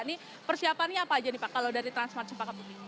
ini persiapannya apa aja nih pak kalau dari transmart cempaka bumi